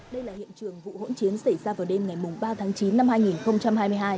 đây là hiện trường vụ hỗn chiến xảy ra vào đêm ngày ba tháng chín năm hai nghìn hai mươi hai